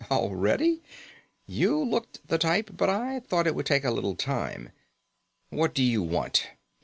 "Already? You looked the type, but I thought it would take a little time." "What do you want?"